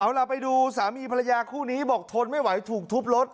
เอาล่ะไปดูสามีภรรยาคู่นี้บอกทนไม่ไหวถูกทุบรถ